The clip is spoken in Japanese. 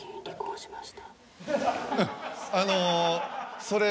あのそれ。